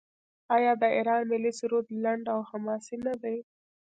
آیا د ایران ملي سرود لنډ او حماسي نه دی؟